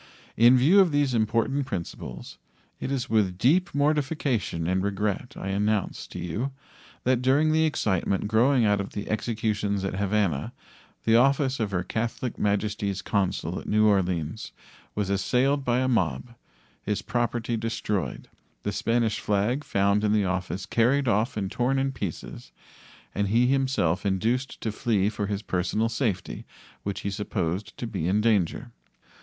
In view of these important principles, it is with deep mortification and regret I announce to you that during the excitement growing out of the executions at Havana the office of Her Catholic Majesty's consul at New Orleans was assailed by a mob, his property destroyed, the Spanish flag found in the office carried off and torn in pieces, and he himself induced to flee for his personal safety, which he supposed to be in danger.